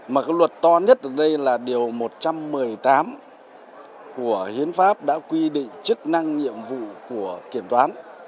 mà cái luật to nhất ở đây là điều một trăm một mươi tám của hiến pháp đã quy định chức năng nhiệm vụ của kiểm toán